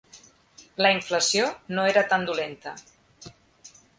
La inflació no era tan dolenta.